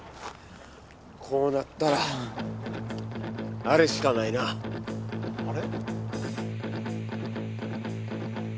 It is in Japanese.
こうなったらあれしかないなあれ？